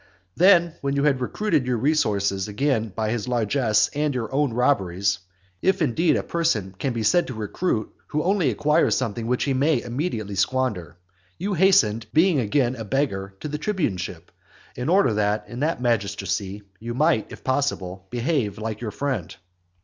Then, when you had recruited your resources again by his largesses and your own robberies, (if, indeed, a person can be said to recruit, who only acquires something which he may immediately squander,) you hastened, being again a beggar, to the tribuneship, in order that in that magistracy you might, if possible, behave like your friend.